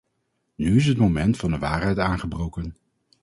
Nu is het moment van de waarheid aangebroken.